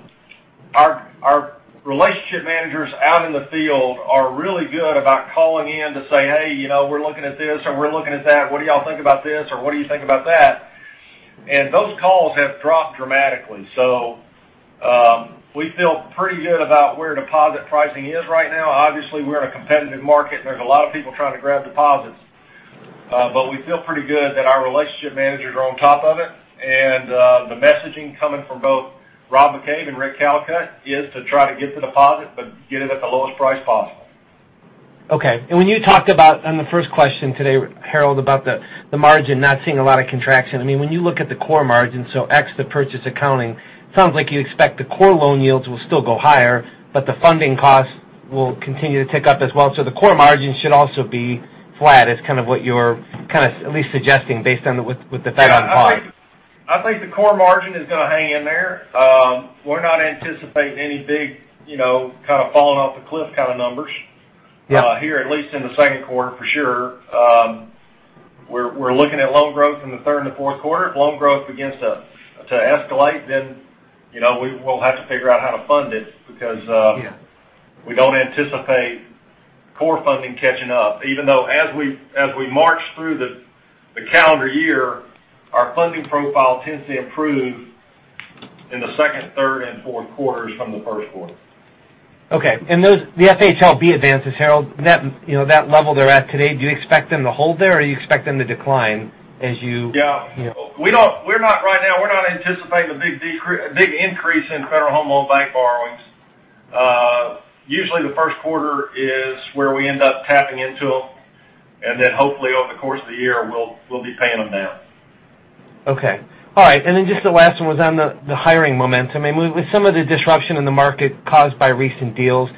relationship managers out in the field are really good about calling in to say, "Hey, we're looking at this, or we're looking at that. What do you all think about this?" Or, "What do you think about that?" Those calls have dropped dramatically. We feel pretty good about where deposit pricing is right now. Obviously, we're in a competitive market, and there's a lot of people trying to grab deposits. We feel pretty good that our relationship managers are on top of it. The messaging coming from both Rob McCabe and Rick Callicutt is to try to get the deposit, but get it at the lowest price possible. Okay. When you talked about, on the first question today, Harold, about the margin not seeing a lot of contraction, when you look at the core margin, so X the purchase accounting, it sounds like you expect the core loan yields will still go higher, but the funding costs will continue to tick up as well. The core margin should also be flat, is kind of what you're at least suggesting based on with the Fed on pause. Yeah, I think the core margin is going to hang in there. We're not anticipating any big falling off the cliff kind of numbers. Yeah. Here, at least in the second quarter, for sure. We're looking at loan growth in the third and the fourth quarter. If loan growth begins to escalate, we'll have to figure out how to fund it. Yeah We don't anticipate core funding catching up, even though as we march through the calendar year, our funding profile tends to improve in the second, third, and fourth quarters from the first quarter. Okay. The FHLB advances, Harold, that level they're at today, do you expect them to hold there, or you expect them to decline? Yeah. Right now, we're not anticipating a big increase in Federal Home Loan Bank borrowings. Usually, the first quarter is where we end up tapping into them, and then hopefully over the course of the year, we'll be paying them down. Okay. All right. Just the last one was on the hiring momentum. With some of the disruption in the market caused by recent deals,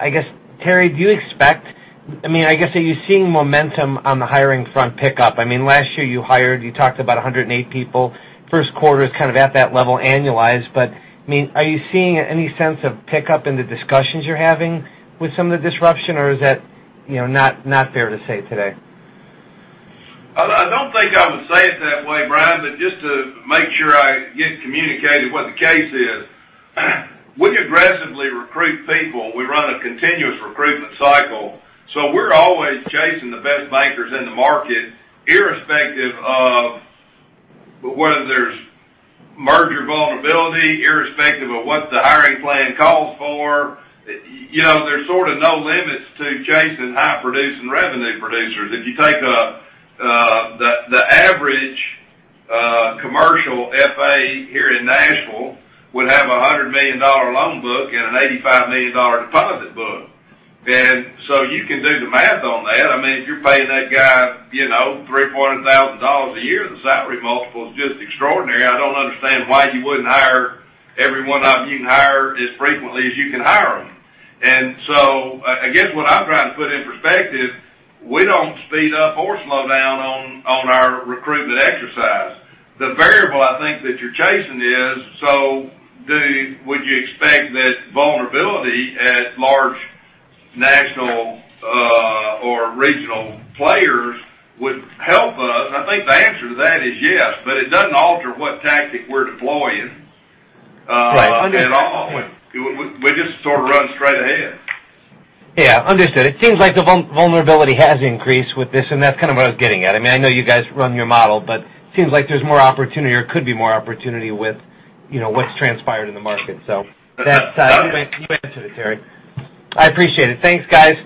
I guess, Terry, are you seeing momentum on the hiring front pick up? Last year you hired, you talked about 108 people. First quarter is kind of at that level annualized. Are you seeing any sense of pickup in the discussions you're having with some of the disruption, or is that not fair to say today? I don't think I would say it that way, Brian, but just to make sure I get communicated what the case is, we aggressively recruit people. We run a continuous recruitment cycle. We're always chasing the best bankers in the market, irrespective of whether there's merger vulnerability, irrespective of what the hiring plan calls for. There's sort of no limits to chasing high producing revenue producers. If you take the average commercial FA here in Nashville, would have a $100 million loan book and an $85 million deposit book. You can do the math on that. If you're paying that guy $300,000, $400,000 a year, the salary multiple is just extraordinary. I don't understand why you wouldn't hire every one of them you can hire as frequently as you can hire them. I guess what I'm trying to put in perspective, we don't speed up or slow down on our recruitment exercise. The variable I think that you're chasing is, would you expect that vulnerability at large national or regional players would help us? I think the answer to that is yes, but it doesn't alter what tactic we're deploying. Right. Understood. At all. We just sort of run straight ahead. Yeah, understood. It seems like the vulnerability has increased with this, and that's kind of what I was getting at. I know you guys run your model, but it seems like there's more opportunity or could be more opportunity with what's transpired in the market. You answered it, Terry. I appreciate it. Thanks, guys.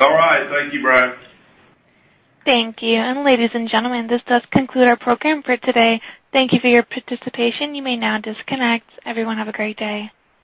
All right. Thank you, Brian. Thank you. Ladies and gentlemen, this does conclude our program for today. Thank you for your participation. You may now disconnect. Everyone, have a great day.